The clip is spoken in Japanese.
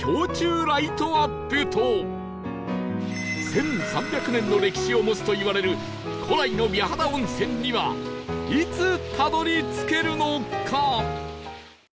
１３００年の歴史を持つといわれる古来の美肌温泉にはいつたどり着けるのか？